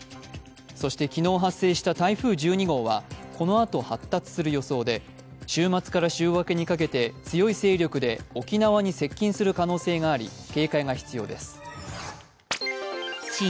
そして、昨日発生した台風１２号はこのあと発達する予想で、週末から週明けにかけて、強い勢力で沖縄に接近する可能性があり警戒が必要です。